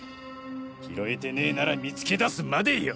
拾えてねぇなら見つけ出すまでよ！